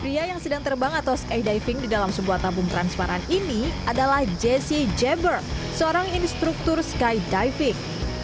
pria yang sedang terbang atau sky diving di dalam sebuah tabung transparan ini adalah jesse jeber seorang instruktur skydivic